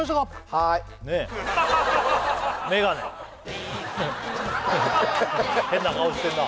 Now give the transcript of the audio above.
はい変な顔してんな